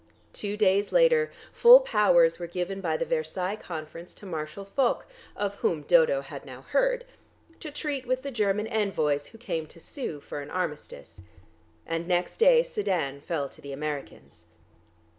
Two days later full powers were given by the Versailles Conference to Marshal Foch (of whom Dodo had now heard) to treat with the German envoys who came to sue for an armistice. And next day Sedan fell to the Americans.